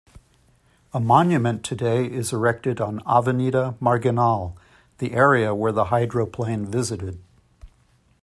A monument today is erected on Avenida Marginal, the area where the hydroplane visited.